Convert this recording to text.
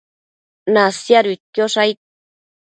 Nasiaduidquiosh aid